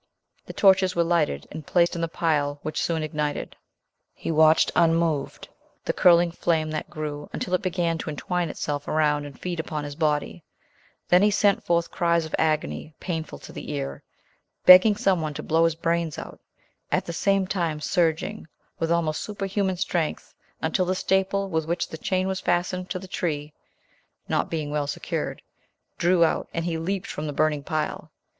The torches were lighted, and placed in the pile, which soon ignited. He watched unmoved the curling flame that grew, until it began to entwine itself around and feed upon his body; then he sent forth cries of agony painful to the ear, begging some one to blow his brains out; at the same time surging with almost superhuman strength, until the staple with which the chain was fastened to the tree (not being well secured) drew out, and he leaped from the burning pile.